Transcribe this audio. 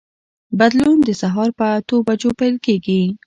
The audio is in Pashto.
بدلون د سهار په اته بجو پیل کېږي.